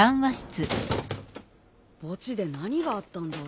墓地で何があったんだ？